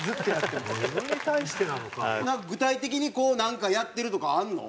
具体的にこうなんかやってるとかあるの？